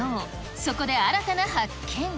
そこで新たな発見。